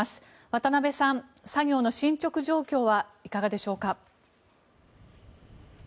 渡辺さん、作業の進ちょく状況はいかがでしょうか。